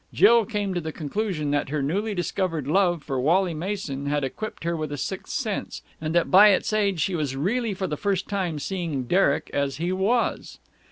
Jill came to the conclusion that her newly discovered love for Wally Mason had equipped her with a sixth sense, and that by its aid she was really for the first time seeing Derek as he was.